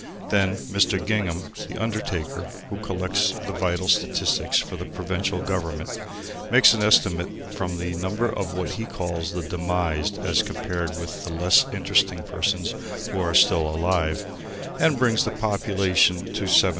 Then Mr. Gingham, the undertaker, who collects the vital statistics for the provincial government, makes an estimate from the number of what he calls the "demised" as compared with the less interesting persons who are still alive, and brings the population to 7,000.